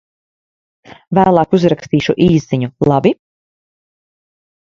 Vēlāk uzrakstīšu īsziņu, labi?